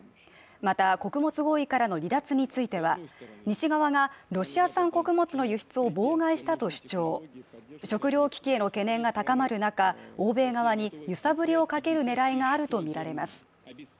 また穀物合意からの離脱については西側がロシア産穀物の輸出を妨害したと主張食糧危機への懸念が高まる中欧米側に揺さぶりをかけるねらいがあると見られます